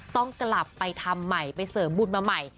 ต้องกลับไปทำใหม่ไปเสริมบุญมาใหม่